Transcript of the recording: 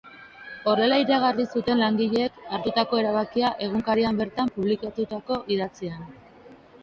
Horrela iragarri zuten langileek hartutako erabakia egunkarian bertan publikatutako idatzian.